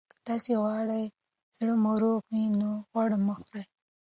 که تاسي غواړئ زړه مو روغ وي، نو غوړ مه خورئ.